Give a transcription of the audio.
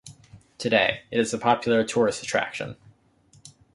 Today, it is a popular tourist attraction.